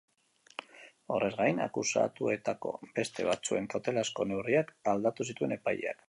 Horrez gain, akusatuetako beste batzuen kautelazko neurriak aldatu zituen epaileak.